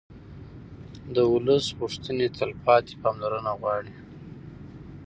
د ولس غوښتنې تلپاتې پاملرنه غواړي